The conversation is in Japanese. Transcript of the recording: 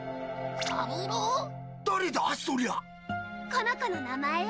この子の名前よ。